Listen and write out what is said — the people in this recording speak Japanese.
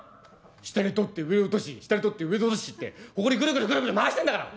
下で取って上で落とし下で取って上で落としってほこりグルグルグルグル回してんだから。